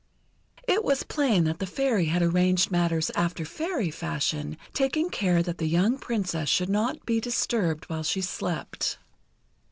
It was plain that the Fairy had arranged matters after Fairy fashion, taking care that the young Princess should not be disturbed while she slept.